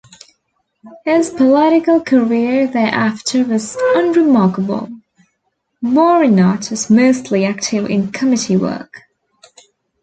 His political career thereafter was unremarkable; Bourinot was mostly active in committee work.